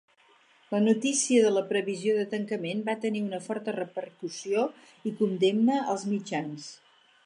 La notícia de la previsió de tancament va tenir una forta repercussió i condemna als mitjans.